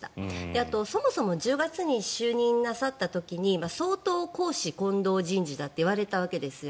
あと、そもそも１０月に就任なさった時に相当、公私混同人事だといわれたわけです。